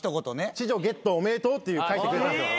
「痴女ゲットおめでとう」っていう書いてくれたんですよ。